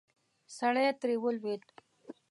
سړی ترې ولوېد.